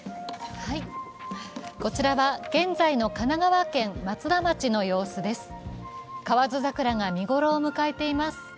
こちらは現在の神奈川県松田町の様子です。